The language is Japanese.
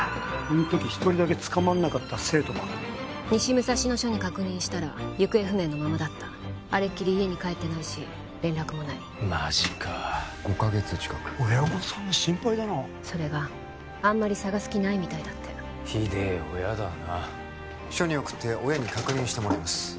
あんとき一人だけ捕まんなかった生徒か西武蔵野署に確認したら行方不明のままだったあれっきり家に帰ってないし連絡もないマジか５カ月近く親御さん心配だなそれがあんまり捜す気ないみたいだってひでえ親だな署に送って親に確認してもらいます